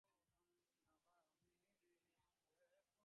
এমনকিছু বলো যা আমি জানি না।